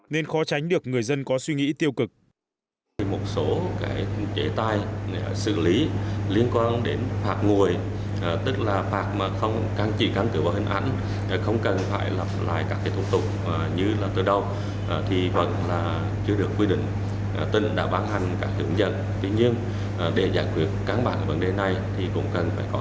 nên khó tránh được người dân có suy nghĩ tiêu cực